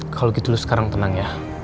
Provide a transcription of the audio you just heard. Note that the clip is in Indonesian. kalo gitu lo sekarang tenang ya